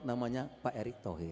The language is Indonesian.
namanya pak erick thohir